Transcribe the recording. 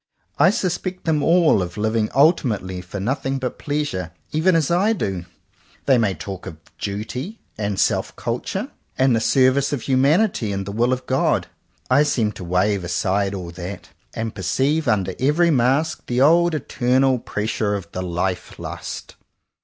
I sus pect them all of living ultimately for nothing but Pleasure — even as I do. They may talk of duty, and self culture, and the ser vice of humanity, and the will of God — I seem to waive aside all that, and perceive under every mask the old eternal pressure of the life lust.